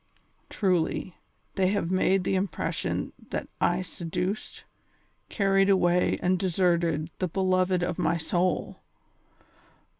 Truly, they have made the impression that I seduced, carried away and deserted the beloved of my soul.